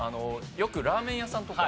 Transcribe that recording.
よくラーメン屋さんとか。